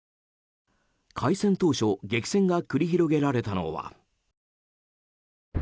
開戦当初激戦が繰り広げられたのは。